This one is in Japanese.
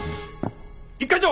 一課長！